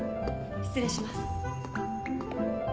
失礼します。